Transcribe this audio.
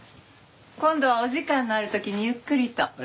今度はお時間のある時にゆっくりと。